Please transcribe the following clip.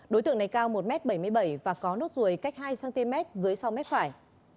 đối tượng này cao một m bảy mươi bảy và có nốt ruồi cách hai cm dưới sau mép phải